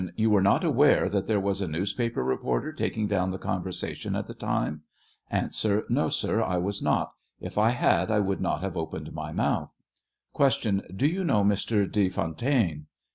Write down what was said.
You were not aware that there was a newspaper reporter taking down the conversation at the time ? A. No, sir, I was not; if I had I would not have opened my mouth. Q. Do you know Mr. Be Fontaine